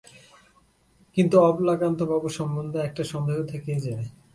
কিন্তু অবলাকান্তবাবু সম্বন্ধে একটা সন্দেহ থেকে যায়।